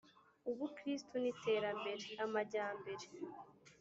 ubukristu n’iterambere(amajyambere) :